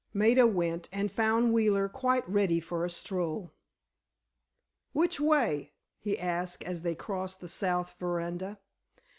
Maida went, and found Wheeler quite ready for a stroll "Which way?" he asked as they crossed the south veranda.